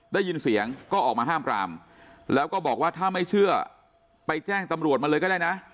ได้ยินเสียงก็ออกมาห้ามปรามแล้วก็บอกว่าถ้าไม่เชื่อไปแจ้งตำรวจมาเลยก็ได้นะ